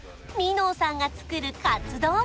納さんが作るカツ丼